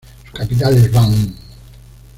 Su capital es Van.